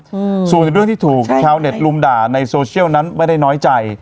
อืมส่วนเรื่องที่ถูกชาวเน็ตลุมด่าในโซเชียลนั้นไม่ได้น้อยใจ